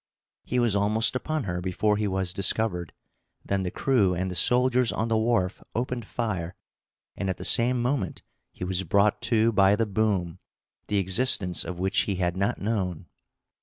He was almost upon her before he was discovered; then the crew and the soldiers on the wharf opened fire, and, at the same moment, he was brought to by the boom, the existence of which he had not known.